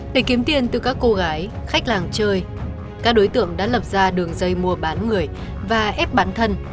để kiếm tiền từ các cô gái khách làng chơi các đối tượng đã lập ra đường dây mua bán người và ép bán thân